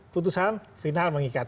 kutusan final mengikat